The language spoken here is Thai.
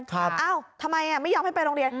เอ้าทำไมไม่ยอมให้ไปโรงเรียน